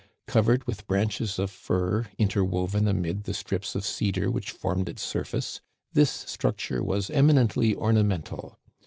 Covered with branches of fir interwoven amid the strips of cedar which formed its surface, this structure was eminently ornamental.